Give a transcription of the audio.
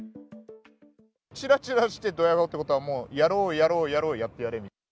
ちらちらしてどや顔ってことは、もうやろうやろうやってやれみたいな。